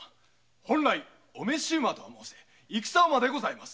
本来御召馬とは申せ軍馬でございます